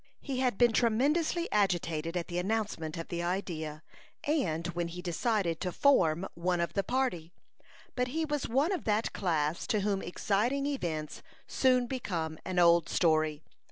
He had been tremendously agitated at the announcement of the idea, and when he decided to form one of the party; but he was one of that class to whom exciting events soon become an old story.